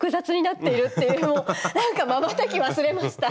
なんかまばたき忘れました。